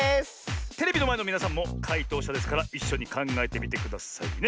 テレビのまえのみなさんもかいとうしゃですからいっしょにかんがえてみてくださいね。